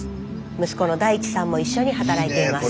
息子の大地さんも一緒に働いています。